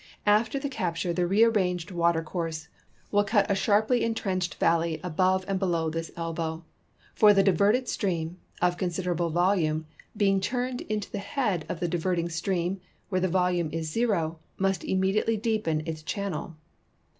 After the capture the rearranged water course will cut a sharply intrenched valley above and below this elbow, for the diverted stream, of considerable volume, being turned into the head of the diverting stream, where the volume is zero, must immediately deepen its channel.